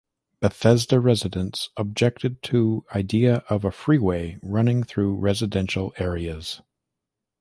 Bethesda residents objected to idea of a freeway running through residential areas.